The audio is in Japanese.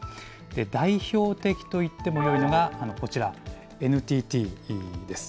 代表的といってもよいのがこちら、ＮＴＴです。